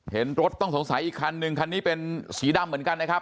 เห็นรถต้องสงสัยอีกคันนึงคันนี้เป็นสีดำเหมือนกันนะครับ